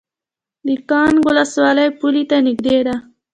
د کانګ ولسوالۍ پولې ته نږدې ده